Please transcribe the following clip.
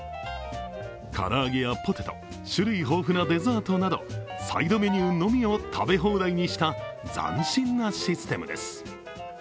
唐揚げやポテト、種類豊富なデザートなどサイドメニューのみを食べ放題にした斬新なシステムです。